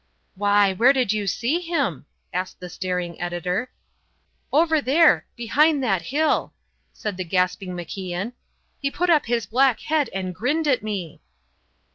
"Why, where did you see him?" asked the staring editor. "Over there behind that hill," said the gasping MacIan. "He put up his black head and grinned at me."